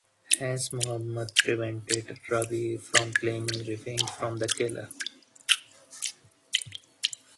Hence Muhammad prevented Rabi'ah from claiming revenge from the killer.